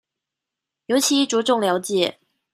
尤其著重了解